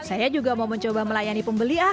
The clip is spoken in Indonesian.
saya juga mau mencoba melayani pembeli